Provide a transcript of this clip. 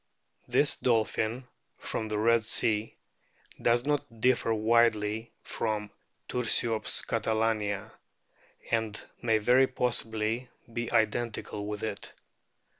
This dolphin, from the Red Sea, does not differ widely from Tiirsiops catalania, and may very possibly be identical with it.